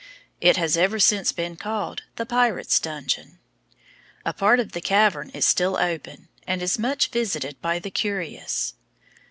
It has ever since been called the Pirate's Dungeon. A part of the cavern is still open, and is much visited by the curious.